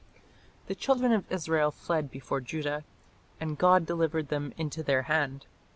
"The children of Israel fled before Judah: and God delivered them into their hand.